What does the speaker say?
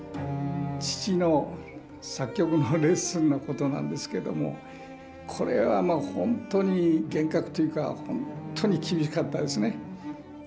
父の作曲のレッスンのことなんですけどもこれはまあ本当に厳格というか本当に厳しかったですね。